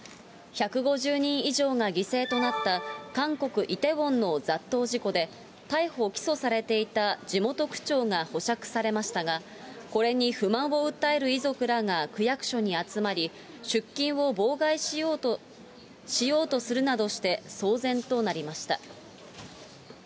１５０人以上が犠牲となった韓国・イテウォンの雑踏事故で、逮捕・起訴されていた地元区長が保釈されましたが、これに不満を訴える遺族らが区役所に集まり、出勤を妨害しようとするなどして、騒然となりました。